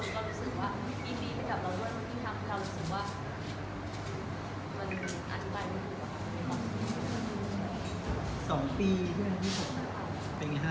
ของระยะเวลาเนี่ยมันก็เป็นส่วนหนึ่งของการประสิทธิ์ใจเหมือนกัน